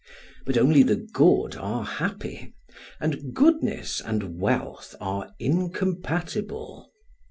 But only the good are happy, and goodness and wealth are incompatible.